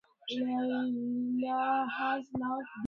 امیر هغوی ښه ونازول.